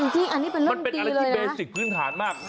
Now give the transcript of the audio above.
จริงอันนี้เป็นเรื่องมันเป็นอะไรที่เบสิกพื้นฐานมาก